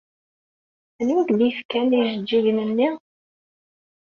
Anwa i ak-d-yefkan ijeǧǧigen-nni?